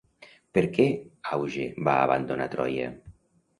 Per què Auge va abandonar Troia?